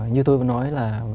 như tôi vừa nói là